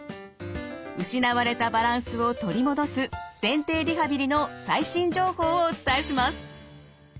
失われたバランスを取り戻す前庭リハビリの最新情報をお伝えします。